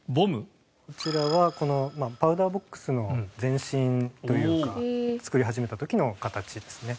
こちらはこのパウダーボックスの前身というか作り始めた時の形ですね。